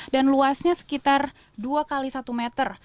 dan luasnya sekitar dua kali satu meter